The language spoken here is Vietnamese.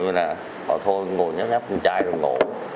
bảo thôi ngồi nhắc nhắc con trai rồi ngủ